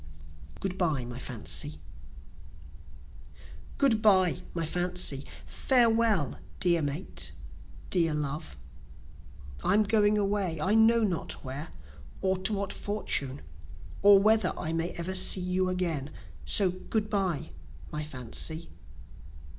Good Bye My Fancy! Good bye my Fancy! Farewell dear mate, dear love! I'm going away, I know not where, Or to what fortune, or whether I may ever see you again, So Good bye my Fancy.